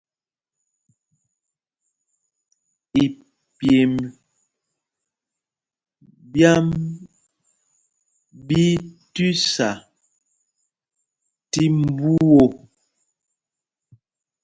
Ipyêmb ɓyā ɓí í tüsa tí mbú ɔ.